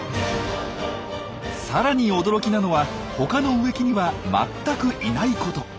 さらに驚きなのは他の植木には全くいないこと。